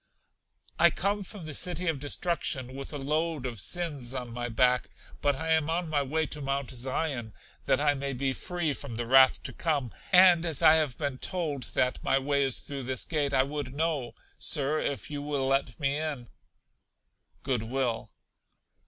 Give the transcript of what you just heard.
I come from The City of Destruction with a load of Sins on my back; but I am on my way to Mount Zion, that I may be free from the wrath to come; and as I have been told that my way is through this gate, I would know, Sir, if you will let me in? Good will.